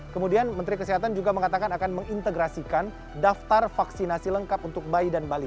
kemudian menteri kesehatan juga mengatakan akan mengintegrasikan daftar vaksinasi lengkap untuk bayi dan bali